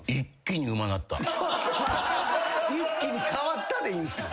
「一気に変わった」でいいんすよ。